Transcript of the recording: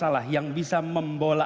allah yang maha kuasa lah